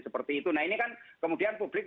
seperti itu nah ini kan kemudian publik